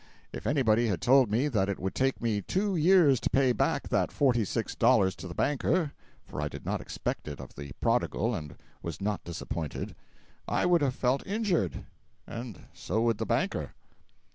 If anybody had told me that it would take me two years to pay back that forty six dollars to the banker (for I did not expect it of the Prodigal, and was not disappointed), I would have felt injured. And so would the banker.